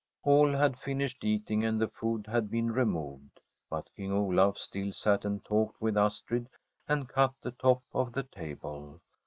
All had finished eating, and the food had been removed, but King Olaf still sat and talked with Astrid and cut the top of the table.